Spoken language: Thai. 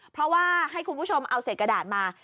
เพราะว่าให้คุณผู้ชมเอาเศษกระดาษมา